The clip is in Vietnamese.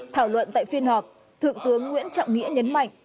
thảo luận tại phiên họp thượng tướng nguyễn trọng nghĩa nhấn mạnh